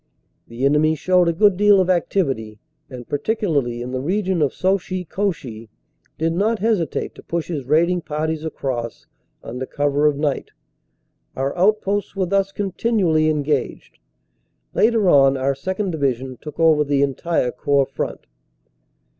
The enemy showed a good deal of activity and particularly in the region of Sauchy Cauchy did not hesitate to push his raiding parties across under cover of night. Our outposts were thus continually en gaged. Later on our 2nd. Division took over the entire Corps front.